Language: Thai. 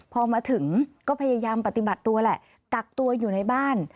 พอมาถึงก็พยายามปฏิบัติตัวแหละกักตัวอยู่ในบ้าน